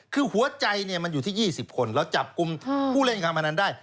คือหัวใจมันอยู่ที่๒๐คนเราจับกลุ่มผู้เล่นการพนันได้